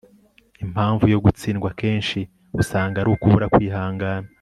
impamvu yo gutsindwa akenshi usanga ari ukubura kwihangana